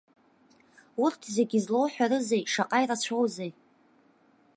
Урҭ зегьы злоуҳәарызеи, шаҟа ирацәоузеи!